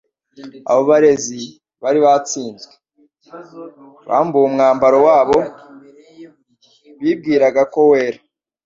Abo barezi bari batsinzwe. Bambuwe umwambaro wabo bibwiraga ko wera,